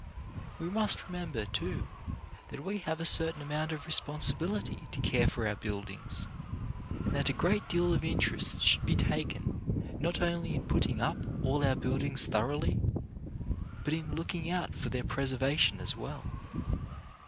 We must remember, too, that we have a cer tain amount of responsibility to care for our build ings, and that a great deal of interest should be taken not only in putting up all our buildings thoroughly, but in looking out for their preserva tion as well.